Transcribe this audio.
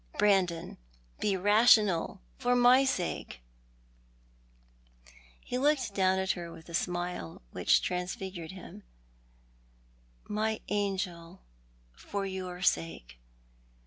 Brandon, be rational, for my sake !" He looked down at her with a smile which transfigured hira. "My angel, for your sake!